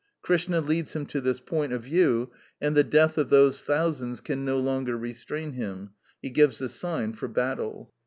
Krishna leads him to this point of view, and the death of those thousands can no longer restrain him; he gives the sign for battle.